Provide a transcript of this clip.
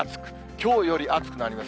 きょうより暑くなります。